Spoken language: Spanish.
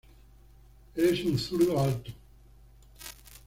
Él es un zurdo alto.